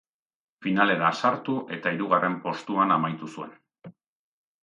Finalera sartu eta hirugarren postuan amaitu zuen.